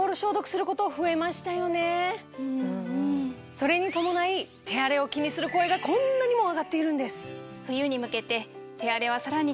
それに伴い手荒れを気にする声がこんなにも上がっているんです！